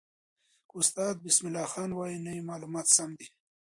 که استاد بسم الله خان وایي، نو معلومات سم دي.